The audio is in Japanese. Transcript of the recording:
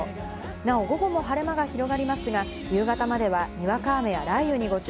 なお午後も晴れ間が広がりますが、夕方まではにわか雨や雷雨にご注